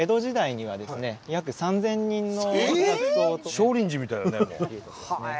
少林寺みたいだね。